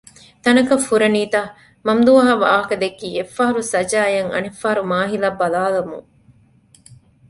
ތަނަކަށް ފުރަނީތަ ؟ މަމްދޫހާ ވާހަކަދެއްކީ އެއްފަހަރު ސަޖާއަށް އަނެއްފަހަރު މާހިލަށް ބަލާލަމުން